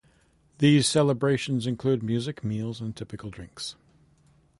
These celebrations include music, meals and typical drinks.